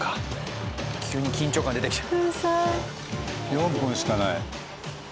４分しかない。